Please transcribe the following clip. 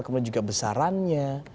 kemudian juga besarannya